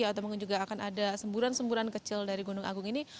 atau mungkin juga akan ada semburan semburan kecil dari gunung agung ini